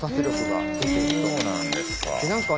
そうなんですか。